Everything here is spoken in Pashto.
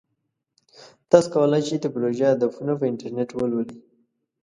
تاسو کولی شئ د پروژې هدفونه په انټرنیټ ولولئ.